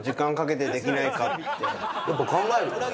やっぱ考えるよね？